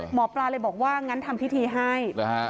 หมอปลาเลยบอกว่างั้นทำพิธีให้หรือฮะ